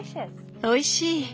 おいしい！